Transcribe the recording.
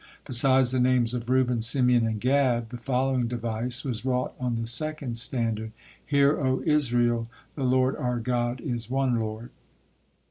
Besides the names of Reuben, Simeon, and Gad the following device was wrought on the second standard, "Hear, O Israel: the Lord our God is one Lord."